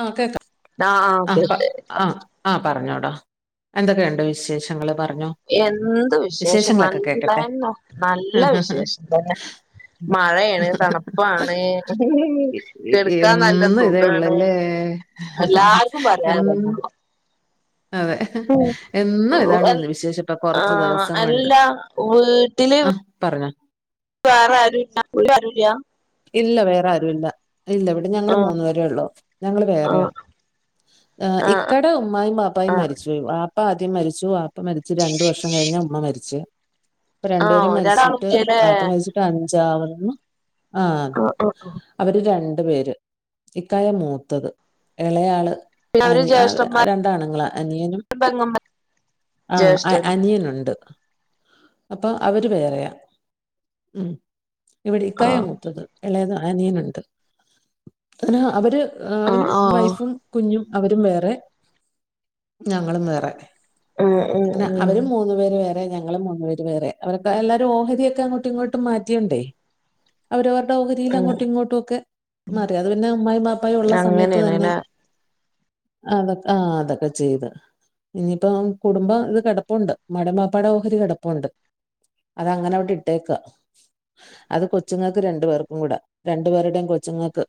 ആ കേക്കാം ആഹ് പാ ആഹ് ആഹ് പറഞ്ഞോടാ എന്തൊക്കെയുണ്ട് വിശേഷങ്ങള് പറഞ്ഞോ എന്ത് വിശേഷം വിശേഷങ്ങളൊക്കെ കേക്കട്ടെ നല്ലന്നെ നല്ല വിശേഷം തന്നെ മഴയാണ് തണുപ്പാണ് ഇ- ഇ- കെട്ക്കാൻ നല്ല സുഖാണ് എല്ലാർക്കും എം പറയാതന്നെയള്ളു അതെ എന്നും ഇതാണ് വന്ന വിശേഷം ഇപ്പ കൊറച്ച് ആഹ് ദെവസം കൊണ്ട് അല്ല അഹ് പറഞ്ഞോ വേറാരൂല്ലാ പുള്ളിക്കാരൂല്ല്യാ ഇല്ല വേറാരൂല്ലാ ഇല്ല ഇവി ടെ ഞങ്ങള് ആഹ് മൂന്ന് പേരെ ഒള്ളൂ ഞങ്ങള് ആഹ് വേറെയാ ഏഹ് ആഹ് ഇക്ക ട് ഉമ്മയും വാപ്പായയും ആഹ് മരിച്ചു പോയി വാപ്പ ആദ്യം മരിച്ചു വാപ്പ മരിച്ചു രണ്ടു വർഷം കഴിഞ്ഞ് ഉമ്മ മരിച്ച് ഇപ്പം ആഹ് രണ്ടുപേരും മരിച്ചിട്ട് രണ്ടാളുല്ലല്ലേ വാപ്പ മരിച്ചിട്ട് അഞ്ചാവ്ന്നു ആഹ് അതെ ആഹ് ആഹ് അവര് രണ്ടു പേര് ഇക്കായ മൂത്തത് എളയാള് പിന്നെ അവര് അനി ആഹ് അവര് ജ്യേഷ്ഠന്മാരും രണ്ടാണുങ്ങളാ അനിയനും പെങ്ങന്മാരും ആഹ് അഹ് ജ്യേഷ്ഠന് അനിയനൊണ്ട് അപ്പൊ അവര് വേറെയാ ഉം ഇവിടെ ഇക്കായാ ആഹ് മൂ ത്തത് എളയത് അനിയന്ണ്ട് [unintelligible] അവര് ആഹ് അവനും ആഹ് വൈഫും കുഞ്ഞും അവരും വേറെ ഞങ്ങളും വേറെ ഉം ഉം അങ്ങനെ ഉം അവരു മൂ മൂന്നു പേര് വേറെ ഞങ്ങളും മൂന്ന് പേര് വേറെ അവരക്കെ എല്ലാരും ഓഹരിയൊക്കെ അങ്ങോട്ടും ഇങ്ങോട്ടും മാറ്റിയോണ്ടേ അവരവർടെ ഉം ഓഹരിയിലങ്ങോട്ടും ഇങ്ങോട്ടുക്കെ മാറി അത് പിന്നെ ഉമ്മായും വാപ്പായും ഒള്ള സമയത്ത് അങ്ങനെയാണ് തന്നെ ല്ലേ അതൊക്കെ ആഹ് അതൊക്കെ ചെയ്ത് ഇനീപ്പം കുടുംബം ഇത് കെടപ്പൊണ്ട് ഉമ്മാടേം വാപ്പാടേം ഓഹരി കെടപ്പൊണ്ട് അതങ്ങനവിടെ ഇട്ടേക്കാ അത് കൊ കൊച്ച്ങ്ങക്ക് രണ്ടു പേർക്കും കൂടെ രണ്ടു പേരുടേം കൊച്ചുങ്ങക്ക്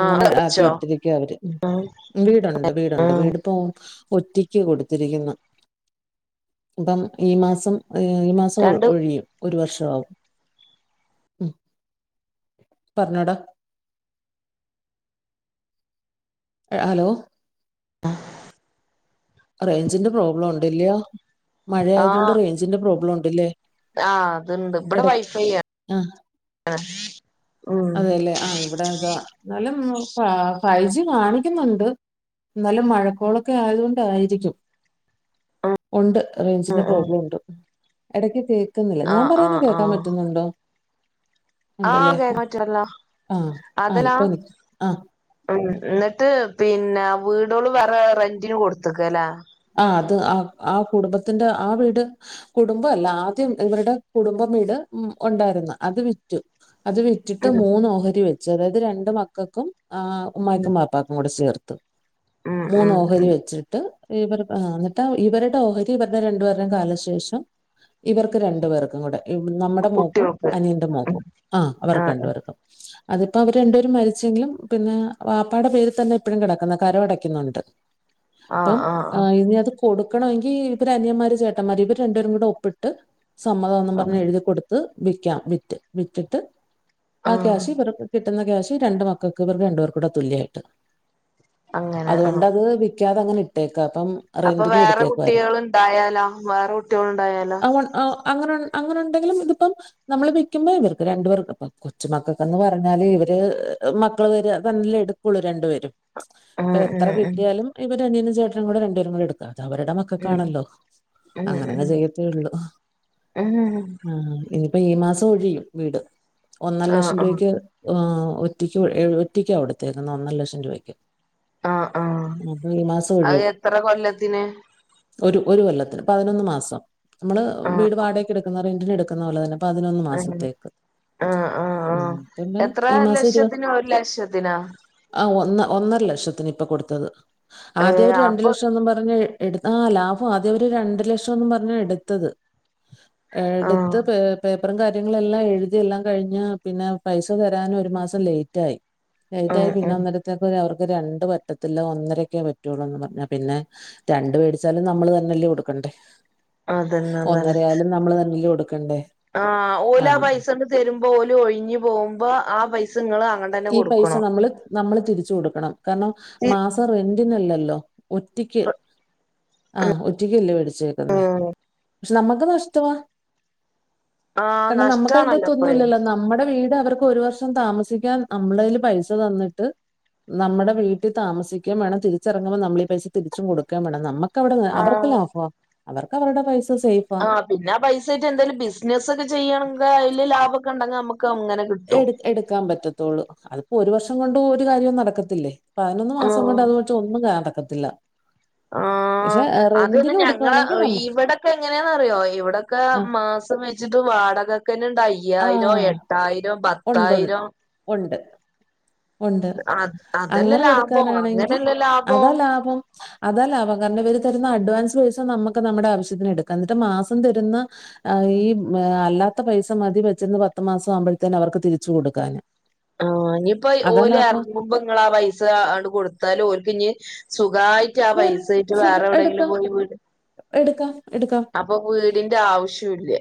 ആ ആക്കി പഠിച്ചോ ഇട്ടിരിക്കാ അവര് ഉം വീടൊണ്ട് വീടൊണ്ട് ഉം വീടിപ്പോ ഒറ്റിക്ക് കൊടുത്തിരിക്കുന്നു അപ്പം ഈ മാസം ഈ മാസം ഒ രണ്ട് ഒഴിയും ഒരു വർഷം ആവും ഉം പറഞ്ഞോടാ ഏഹ് ഹലോ ആഹ് റേഞ്ചിന്റെ പ്രോബ്ലം ഒണ്ട്ല്ല്യോ മഴ ആയത്കൊണ്ട് റേഞ്ചിന്റെ പ്രോബ്ലം ഒണ്ടില്ലേ ആഹ് അത്ണ്ട് ഇവിടെ വൈഫൈയാ ആഹ് അതെയല്ലേ ആഹ് ഇവിടെതാ അന്നാലും ഫാ ഫൈജി കാണിക്കുന്നൊണ്ട് നല്ലെ മഴക്കോളക്കെ ആയത് കൊണ്ടായി രിക്കും ഒണ്ട് ഉം റേയ്ഞ്ചിന്റെ ഉം പ്രോബ്ലം ഒണ്ട് എടക്ക് കേക്ക്ന്നില്ല ആ ഞാൻ ആ പറയുന്ന കേക്കാൻ പറ്റുന്നുണ്ടോ ആഹ് ഉണ്ടല്ലേ കേക്കാൻ പറ്റുവല്ലോ ആ ആ അതെലാ ഇപ്പൊ എനിക്ക് ആ ഉം എന്നിട്ട് പിന്നെ വീടുകള് വേറെ റെന്റിന് കൊടുത്ത്ക്കാല്ലേ ആഹ് അത് ആഹ് ആ കുടുംബത്തിന്റെ ആ വീട് കുടുമ്പം അല്ല ആദ്യം ഇവര്ടെ കുടുമ്പം വീട് ഉം ഒണ്ടാരുന്ന് അത് വിറ്റു അത് വിറ്റ് റ്റിട്ട് ഉം മൂന്ന് ഓഹരി വെച്ച് അതായത് രണ്ട് മക്കക്കും ആഹ് ഉം ഉമ്മായ്ക്കും വാപ്പ പ്പാക്കും കൂടെ ചേർത്ത് ഉം മൂന്ന് ഉം ഓഹരി ഉം വെച്ചിട്ട് ഇവർക് ആഹ് എന്നിട്ട് ഇവര്ടെ ഓഹരി ഇവര്ടെ രണ്ട് പേർടേം കാലശേഷം ഇവർക്ക് രണ്ട് പേർക്കും കൂടെ നമ്മുടെ മോക്കും കുട്ടികൾക്ക് അനിയന്റെ ഉം മോക്കും ആ അവർക്ക്‌ ആ രണ്ട്പേർക്കും. അതിപ്പോ അവര് രണ്ടുപേര് മരിച്ചെങ്കിലും പിന്നെ വാപ്പാടെ പേര് തന്നെ ഇപ്പഴും കെടക്കുന്ന കര അടക്കുന്നുണ്ട്. ആ പ്പം ആ ഇനി അത് കൊടുക്കണോങ്കി ഇവര് അനിയമ്മാര് ചേട്ടമ്മാര് ഇവര് രണ്ടുപേരുകുട ഒപ്പിട്ട്. സമ്മതാന്നും ആ പറഞ്ഞ് എഴുതി കൊടുത്ത് വിക്കാം വിറ്റ് വിറ്റിട്ട്. ആ ക്യാഷ് ഇവർക്ക്‌ കിട്ടുന്ന ക്യാഷ് രണ്ട് മക്കൾക്ക് ഇവർക്ക് രണ്ടെർക്കൂട തുല്യായിട്ട്. അങ്ങനെ ആ അതുകൊണ്ടത് വിക്കാത അങ്ങനെ ഇട്ടേക്ക അപ്പം. അപ്പൊ റെന്റിന് വേറെ കൊടുത്തേക്കുവായിരുന്നു കുട്ടികള് ഇണ്ടായാലോ വേറെ കുട്ടികള് ഉണ്ടായാലോ? അവ- ആ അങ്ങനെ അങ്ങനെണ്ടെങ്കിലും ഇതിപ്പം. നമ്മള് വിക്കുമ്പോ ഇവർക്ക് രണ്ടു പേർക്ക് ഇപ്പ കൊച്ച് മക്കക്കന്ന് പറഞ്ഞാല് ഇവര് മക്കള് രണ്ടില് എട് ക്കുള്ളു രണ്ടുപരും ഉം ഇപ്പൊ എത്ര ഉം ഉം കിട്ടിയാലും ഇവര് അനിയനും ചേട്ടനുംകുട രണ്ടുപേരുംകുട എടുക്ക അതവരുടെ മ ക്ക ഉം കാണല്ലോ ഉം അങ്ങനങ് ഉം ചെയ്യത്തെള്ളൂ. ഉം ആ ഇനി അപ്പൊ ഈ മാസം ഒഴിയും വീട് ഒന്നര ആഹ് ലക്ഷം ആഹ് രൂപക്ക്. ആ ഒറ്റിക്ക് ഒറ്റിക്കാകൊടുത്തേക്കുന്ന ഒന്നര ലക്ഷം രൂപയ്ക്ക്. ആഹ് ആഹ് അപ്പൊ ഈ മാസം അത് ഒഴിയും. എത്ര കൊല്ലത്തിന്? ഒരു, ഒരു കൊല്ലത്തിന് പതിനൊന്ന് മാസം നമ്മള് ആഹ് വീട് വാടയക്ക്‌ എടുക്കുന്ന റെന്റിന് എടുക്കുന്ന പോലെ തന്നെ. പതിനൊന്ന് അങ്ങനെ മാസത്തേക്ക്. ആഹ് ആഹ് ഉം ആഹ് പിന്നെ എത്ര ഈ മാസം ഇരുപത്. ലക്ഷത്തിന് ഒരു ലക്ഷത്തിനാ ആ ഒന്ന ഒന്നര ലക്ഷത്തിന് ഇപ്പ കൊടുത്തത്. ആദ്യ ഏഹ് അപ്പൊ തന്നും പറഞ്ഞ് എടു ആ ലാഭം ആദ്യം ഒരു രണ്ട് ലക്ഷോന്നും പറഞ്ഞ എടുത്തത്. ആഹ് എടുത്ത് പ് പേപ്പറും കാര്യങ്ങളെല്ലാം എഴുതി എല്ലാം കഴിഞ്ഞ പിന്നെ പൈസ തരാൻ ഒരു മാസം ലേറ്റ് ആയി. ലൈറ്റായി ആഹ് പിന്നെ ആഹ് ഒന്നരത്തേക്കെ അവർക്ക് രണ്ട് പറ്റത്തില്ല ഒന്നരൊക്കേ പറ്റുള്ളൂന്ന് പറു. പിന്നെ രണ്ട് വേടിച്ചാലും നമ്മള് തന്നെല്ലേ കൊടുക്കണ്ടേ. അതന്നെ അതന്നെ ഒന്നരയായാലും നമ്മള് തന്നെല്ല കൊടുക്കണ്ടേ. ആ ആ ഓലാ പൈസണ്ട് തരുമ്പോ ഓല് ഒഴിഞ്ഞു പോകുമ്പോ ആ പൈസ ഇങ്ങള് അങ്ങ ഈ പൈസ നമ്മള് നമ്മള് തിരിച്ചു കൊടുക്കണം കാരണം മാസം റെന്റിനല്ലല്ലോ. ഒറ്റിക്ക് ആഹ് ഒറ്റിക്കല്ലേ മേടിച്ചേക്കുന്നേ. ഉം പക്ഷെ നമുക്ക് നഷ്ടവാ ആഹ് കാരണം നഷ്ടാണല്ലോ ഇപ്പഴേ നമുക്കതിന്റെത്തൊന്നുംല്ലല്ലോ നമ്മുടെ വീട് അവർക്ക്. ക്കൊരു വർഷം താമസിക്കാൻ നമ്മളെല് പൈസ തന്നിട്ട്. നമ്മുടെ വീട്ടി താമസിക്കേം വേണം. തിരിച്ചെറങ്ങുമ്പോ നമ്മളീ പൈസ തിരിച്ചു കൊടുക്കേം വേണം. നമ്മക്ക് ക്കവിടെ അവർക്ക് ആഹ് ലാഫവാ അവർക്ക് അവരുടെ പൈസ സേഫ്. ആ പിന്നെ ആ പൈസേട്ട് എന്തെങ്കിലും ബിസിനസ്സക്കെ ചെയ്യണെങ്കി അയില് ലാഭോക്കെണ്ടെങ്കി നമുക്ക് അങ്ങനെ കി എടു എടുക്കാൻ പറ്റത്തുള്ളൂ അതിപ്പോ ഒരു വർഷം കൊണ്ട് ഒരു കാര്യോം നടക്കത്തില്ലേ. പതിനൊന്ന് മാസം ആഹ് കൊണ്ട് അത് പക്ഷ ഒന്നും കടക്കത്തില്ല. ആഹ്. ആ അതൊന്ന ഞങ്ങള കൊടുക്കുകയാണെങ്കിൽ നമുക്ക് ഇവിടൊക്കെ എങ്ങനെയാന്ന്റിയോ ഇവിടൊക്കെ ആ മാസം വെ ച്ചിട്ട് വാടകക്കന്നെണ്ട് ആ അയ്യായിരോം, എട്ടായിരോം, പത്തായിരോം. ഒണ്ട്. ഒണ്ട് അത് അതല്ല അങ്ങനെ ലാഭം കൊടുക്കാനാണെങ്കി അങ്ങനെയല്ല അതാ ലാഭം ലാഭം. അതാ ലാഭം കാരണം ഇവര് തരുന്ന അഡ്വാൻസ് പൈസ നമുക്ക് നമ്മുടെ ആവശ്യത്തിന് എടുക്കാം. എന്നിട്ട് മാസം തരുന്ന. ആ ഈ അല്ലാത്ത പൈസ മതി വെച്ചന്ന് പത്തു മാസം ആവുമ്പോഴത്തേന് അവർക്ക് തിരിച്ചു കൊടുക്കാന്. ആഹ് ഇഞ്ഞീപ്പോ അതാ ഓല് ലാഭം എറങ്ങുമ്പോ. ഇങ്ങളാ പൈസണ്ട് കൊടുത്തലോര്ക്ക് ഇഞ്ഞി സുഖായി. ക്ക്യാ വേറെ പൈസായിട്ട് വേറെ സുഖം എവിയെങ്കിലും എടുക്കാം പോയി വീ എടുക്കാം എടുക്കാം അപ്പൊ വീടിന്റെ ആവശ്യം ഇല്ല.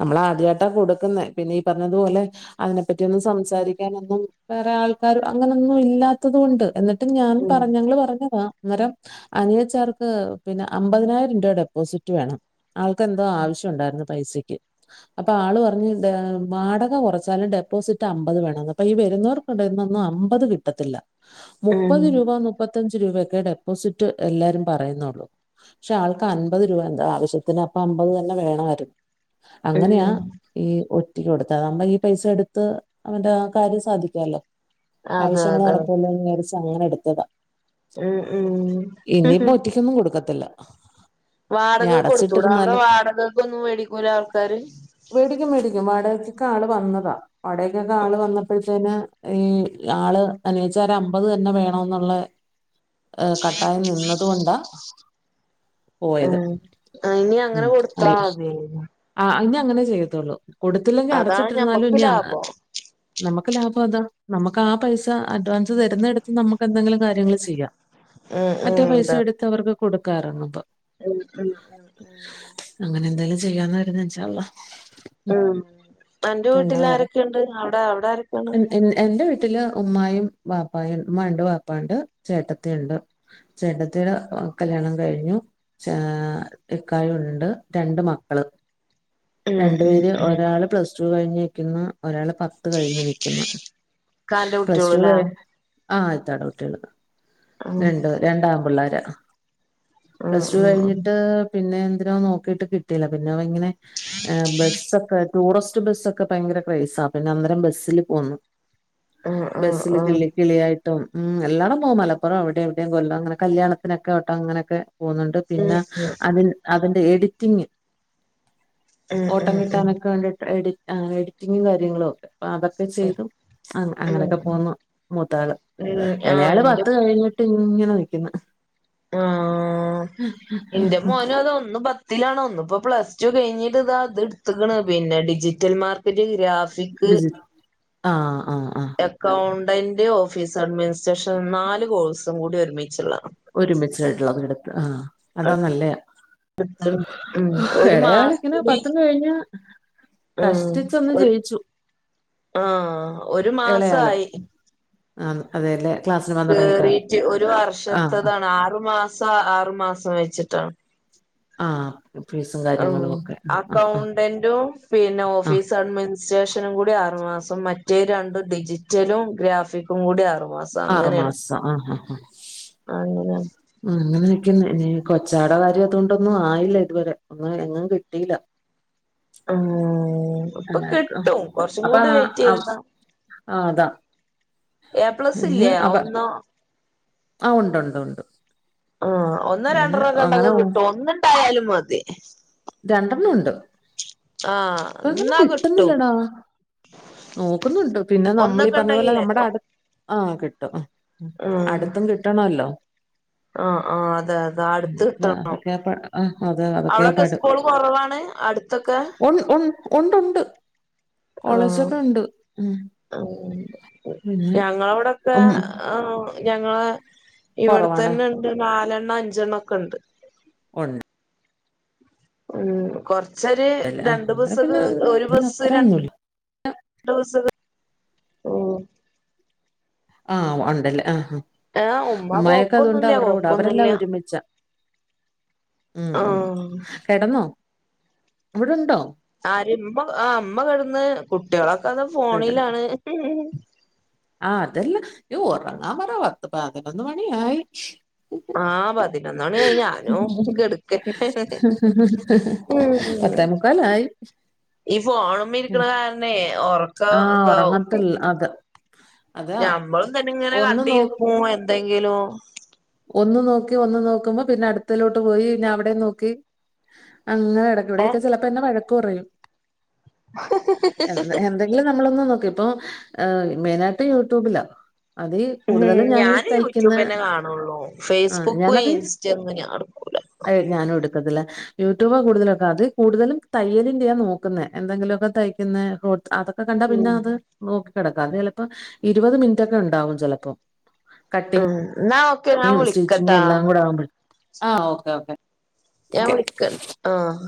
നമ്മള ആദ്യായിട്ടാ കൊടുക്കുന്നേ പിന്നെ ഈ പറഞ്ഞതു പോലെ അതിനെപ്പറ്റി ഒന്നും സംസാരിക്കാനൊന്നും വേറെ ആൾക്കാർ അങ്ങനെന്നും ഇല്ലാത്തത് കൊണ്ട് എന്ന് [unintelligible] ഞാൻ ഉം പറഞ്ഞ് ഞങ്ങള് പറഞ്ഞതാ അന്നേരം അനിയച്ചാർക്ക് പിന്നെ അമ്പതിനായിരം രൂപ ഡെപ്പോസിറ്റ് വേണം. ആൾക്കെന്തോ ആവശ്യ ഉണ്ടായിരുന്നു പൈസക്ക്. അപ്പ ആള് പറഞ്ഞ് ന്താ വാടക കൊറച്ചാലും ഡെപ്പോസിറ്റ് അമ്പത് വേണന്ന് അപ്പ ഈ വരുന്നോർ [unintelligible] ന്നൊന്നും അമ്പത് കിട്ടത്തില്ല. ഉം മുപ്പത് രൂപ മുപ്പത്തഞ്ച് രൂപൊക്കെ ഡെപ്പോസിറ്റ് എല്ലാരും പറയുന്നുള്ളൂ. പക്ഷെ ആൾക്ക് അൻപത് രൂപ എന്താ ആവശ്യത്തിന് അപ്പ അമ്പത് തന്നെ വേണായിരുന്നു. അങ്ങനെയാ ഉം ഈ ഒ റ്റക്ക് കൊടുത്തത നമ്മ ഈ പൈസ എടുത്ത് അവന്റെ ആ കാര്യം സാധിക്കാല്ലോ. അതെ ആവശ്യങ്ങള് അതെ നടക്കോല്ലോന്ന് വിചാരിച്ച് അങ്ങനെ എടുത്തതാ. ഉം ഉം എന്നും കൊടുക്കത്തില്ല. ഇനി വാടകക്ക് കൊടുത്തൂടാ അവടെ അടച്ചിട്ടിരുന്നാലും വാടകക്കെ ഒന്നും മേടിക്കൂല ആൾക്കാര്? മേടിക്കും മേടിക്കും വാടകക്കൊക്കെ ആള് വന്നതാ വാടകക്കൊക്കെ ആള് വന്നപ്പഴ ത്ത്ന് ഈ ആള് അനുച്ചാര അമ്പത് തന്നെ വേണം ന്നുള്ളേ ഏ കട്ടായ നിന്നത് കൊണ്ടാ പോയത് ഏ ഇനി ഉം അങ്ങനെ അല്ല കൊടുത്താതി ആ ഇനി അങ്ങനെ ചെയ്യത്തോള്ളൂ കൊടുത്തില്ലെങ്കിൽ അതാണ് അടച്ചിട്ടിരുന്നാലും ഞമ്മക്ക് ഇഞ്ഞി അ ലാഭം നമുക്ക് ലാഭം അതാ നമുക്ക് ആ പൈസ അഡ്വാൻസ് തര്ന്നെട്ത്ത് നമുക്ക് എന്തെങ്കിലും കാര്യങ്ങൾ ചെയ്യാം. ഉം ഉം മറ്റേ പൈസ അതാ എടുത്ത് അവർക്ക് കൊടുക്കാറാണ്മ്പം. [unintelligible] അങ്ങനെ എന്തായാലും ചെയ്യാന്ന് [unintelligible] ഇൻഷാ അള്ളാ. ഉം അന്റെ വീട്ടിൽ ആരക്കേണ്ട് അഒടെ അഒടെ ആരക്കെണ്ട്? എൻ എൻ എന്റെ വീട്ടില് ഉമ്മായും വാപ്പായും ഉമ്മ ഇണ്ട് വാപ്പാണ്ട് ചേട്ടത്തി ഇണ്ട്. ചേട്ടത്തിടെ അഹ് കല്യാണം കഴിഞ്ഞു. ച്ചാ ഇക്കയുണ്ട് രണ്ട് മക്കള് ഉം രണ്ട് ഉം പേര് ഉം ഒരാള് പ്ലസ് ടു കഴിഞ്ഞ് നിൽക്കുന്ന് ഒരാള് പത്ത് കഴിഞ്ഞ് നിൽക്കുന്ന്. ഇക്കാന്റെ പ്ലസ് ടു കുട്ടിയോള്ല്ലേ കഴി ആ അയിത്താട കുട്ട്യള് ഉം രണ്ട് രണ്ടാ പിള്ളാര. ഉം പ്ലസ് ടു ഉം ഉം കഴിഞ്ഞിട്ട് പിന്നെ എന്തിനോ നോക്കിട്ട് കിട്ടില പിന്നെ അവൻ ഇങ്ങനെ ഏ ബസ്സൊക്കെ ടൂറിസ്റ്റ് ബസ്സൊക്കെ ഭയങ്കര ക്രയ്സാ പിന്നെ അന്നേരം ബസ്സില് പോന്നു. ഉം ഉം ഉം ഉം ഉം ഉം ബസ്സില് കിള്ളി ഉം കിളിയായിട്ടും ഉം എല്ലട പോകും മലപ്പുറം അവടെം ഇവടെം കൊല്ലം അങ്ങനെ കല്യാണത്തിനക്കെ വട്ടം അങ്ങനെക്കെ പോന്നുണ്ട് പിന്നെ അതിൽ അതിന്റെ എഡിറ്റിംഗ് ഓട്ടം ഉം ഉം ഉം കിട്ടാനൊക്കെ വേണ്ടിട്ട് എഡി ആ എഡിറ്റിംഗും കാര്യങ്ങളും ഒക്കെ. അപ്പ അതൊക്കെ ചെയ്തു അങ്ങ അങ്ങനക്കെ പോന്നു. പത്താള് ആഹ് എളയാള് ഇന്റെ പത്ത് കഴിഞ്ഞിട്ട് ഇങ്ങനെ നിക്ക്ന്ന്. ആ ഇന്റെ മോനോ അതൊ ഒന്ന് പത്തിലാണോ ഒന്ന് ഇപ്പൊ പ്ലസ് ടു കഴിഞ്ഞിട്ട് ഇതാ ഇത് ഇട്ത്ത്ക്ക്ണ് പിന്നെ ഡിജിറ്റൽ മാർക്കറ്റ് ഗ്രാഫ് ബിസിന ആഹ് ആഹ് ആഹ് അക്കൗണ്ടന്റ് ഓഫീസ് അഡ്മിനിസ്ട്രേഷൻ നാല് കോഴ്സും കൂടി ഒരുമിച്ചുള്ളതാ ഒരുമിച്ചായിട്ടുള്ളത് എട്ത്ത് ആഹ് അതാ നല്ലത് ഉം ഒരു എളേയാളിങ്ങനെ മാസത്തില് പത്ത് കഴിഞ്ഞ് ഉം കഷ്ടിച്ചൊന്ന് ഒരു ജയിച്ചു ആഹ് ഒരു മാസായി ആഹ് അതെ ലേ ക്ലാസിന് കേറീട്ട് ഒരു വർഷത്തതാണ് ആറു മാസം ആറു മാസം വെച്ചിട്ടാണ് ആഹ് [unintelligible] ആഹ് അക്കൗണ്ടന്റും പിന്നെ ആ ഓഫീസ് അഡ്മിനിസ്ട്രേഷനും കൂടി ആറു മാസം മറ്റേ രണ്ടും ഡിജിറ്റലും ഗ്രാഫി സും കൂടിം ആറ് മാസം ആറ് അങ്ങനെയാണ് മാസം ആ ആ ആ അങ്ങന ഉം അങ്ങനൊക്കെന്നാണ് കൊച്ചാട കാര്യം അതൊണ്ടൊന്നും ആയില്ല ഇതുവരെ ഒന്ന് എങ്ങും കിട്ടീല്ല ഉം ഇപ്പൊ അങ്ങനെയൊക്കെ. കിട്ടും കൊറച്ചും കൂടിം വെയിറ്റെയ്താ ആഹ് അതാ എ പ്ലസ് ഇല്ല്യേ ഒന്ന് ആഹ് ഉണ്ട് ഉണ്ട് ഉണ്ട് ആഹ് ഒന്നും ഇങ്ങനെ രണ്ടെണ്ണം ഒക്കെ ഇണ്ടെങ്കി അങ്ങനെ കിട്ടും ഉ- ഒന്ന് ഇണ്ടായാലും മതി രണ്ടെണ്ണം ഉണ്ട് ആ ഇപ്പ അങ്ങനെ എന്നാ കിട്ടും കിട്ടുന്നില്ലടാ നോക്കുന്നുണ്ട് പിന്നെ നമ്മളീ ഒന്നൊക്കെ പറഞ്ഞ പോലെ ഉണ്ടെങ്കിലേ നമ്മടെ അട് ആഹ് കിട്ടും അട്ത്തും കിട്ടണല്ലോ ആഹ് ആഹ് അതെ അതെ അടുത്ത് കിട്ടണം [unintelligible] ആഹ് അതെ അവിടൊക്കെ സ്കൂള് കൊറവാണ് അട് ഉൺ ഉൺ ഉണ്ട് ഉണ്ട് കോളേജൊക്കെ ഉണ്ട് ഉം [unintelligible] പിന്നെ ഞങ്ങളെ ഇവിടെക്കെ ഉം ഏ ഞങ്ങളെ ഇവിടെ കൊറവാണ്. തന്നെണ്ട് നാലെണ്ണം അഞ്ചെണ്ണോക്കെണ്ട് ഒണ്ട് ഉം കൊറച്ചര് ആ രണ്ട് അന്നേരം ബസൊക്കെ പിന്നെ ഒരു പിന്നെ ബസ്സ്‌ രൺ അത്രയൊന്നുമില്ല. ണ്ട് ബസ്സൊക്കെ ഉം ആഹ് ഉണ്ടല്ലേ ആഹ് ആഹ് ഏ ഉമ്മ ഉമ്മായൊക്കെ അതോണ്ട് കൊഴപ്പൊന്നുല്ല അവരുടെ കൂടെ കൊഴപ്പൊന്നുല്ല അവരെല്ലാം ഒരുമിച്ചാ ഉം ഉം ആഹ് കെടന്നോ ഇവടെണ്ടോ ആര് ഇമ്മ ആഹ് ഇമ്മ കടന്ന് കുട്ട്യേളൊക്കെ അതാ ഫോണിലാണ് ആഹ് അതല്ല ഒറങ്ങാൻ പറ പത്ത് പതിനൊന്ന് മണിയായി ആഹ് പതി നൊന്ന് മണിയായി ഞാനും കെടക്കട്ടേന്ന് പറയാ പത്തേ മുക്കാലായി. ഈ ഫോണിമ്മ ഇരിക്കണ കാരണേ ഒറക്കം ഇതാവും അതെ ഞമ്മളും തന്നെ ഇങ്ങനെ ഒന്ന് നോ കണ്ടിരിക്കും എന്തെങ്കിലും ഒന്ന് നോക്കി ഒന്ന് നോ ക്കുമ്പോ പിന്നെ അട്ത്തതിലോട്ട് പോയി പിന്നെ അവിടെ നോക്കി അങ്ങനെ കെടക്കും ഏ ഇവിടൊക്കെ ചെല പ്പം എന്നെ വഴക്ക് പറയും എന്ത എന്തെങ്കിലും നമ്മളൊന്നും നോക്കി ഇപ്പൊ ഏ മെയിനായിട്ട് യൂട്യൂബിലാ അതീ ഉം കൂടുതലും ഞാനീ ഞാന് തയ്ക്കുന്ന യൂട്യൂബെന്നെ കാണൊള്ളു. ഫേയ്സ്ബുക്കും ഇൻസ്റ്റ ഒന്നും ഞാൻ ഇട്ക്കൂല. അഹ് ഞാനും എടുക്കത്തില്ല. യൂട്യൂബ് കൂടുതലൊക്കെ അത് കൂടുതലും തയ്യലിന്റെയാ നോക്കുന്നെ. എന്തെങ്കിലൊ ക്കെ തയ്ക്കുന്ന അതൊക്കെ കണ്ടാ പിന്നെ ഉം അത്. നോക്കി കെടക്കാ. അത് ചെലപ്പോ ഇരുപത് മിനിറ്റൊക്കെ ഇണ്ടാവും ചെലപ്പം. ഉം ഇന്നാ ഒ സ്റ്റിച്ചിങ്ങും എല്ലാം കൂടെ ആവുമ്പെ. ആ ഓക്കെ ഓക്കെ. ഞാൻ ഓക്കെ വിളിക്കൺ ആഹ്